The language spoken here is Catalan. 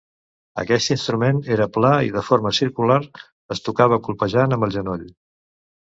Aquest instrument era pla i de forma circular, es tocava colpejant amb el genoll.